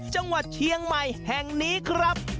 จังหวัดเชียงใหม่แห่งนี้ครับ